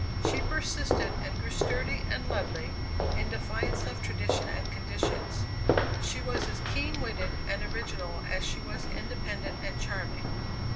She persisted and grew sturdy and lovely in defiance of tradition and conditions. She was as keen witted and original as she was independent and charming.